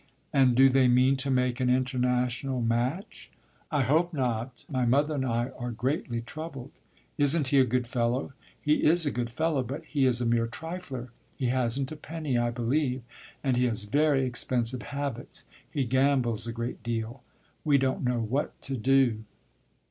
"And do they mean to make an international match?" "I hope not; my mother and I are greatly troubled." "Is n't he a good fellow?" "He is a good fellow; but he is a mere trifler. He has n't a penny, I believe, and he has very expensive habits. He gambles a great deal. We don't know what to do."